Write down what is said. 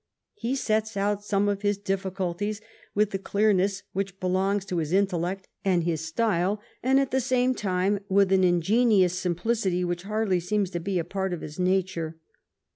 He sets out some of his difficul ties with the clearness which belongs to his intellect and his style, and at the same time with an ingenuous simplicity which hardly seems to be a part of his nature.